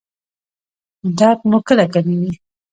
درد مو کله کمیږي؟